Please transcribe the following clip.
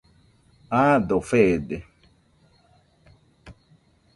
Aado feede.